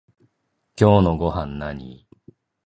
今日のごはんなに？